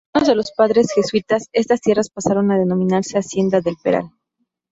En manos de los padres jesuitas estas tierras pasaron a denominarse Hacienda del Peral.